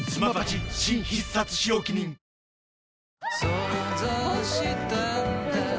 想像したんだ